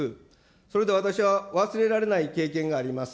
それで私は、忘れられない経験があります。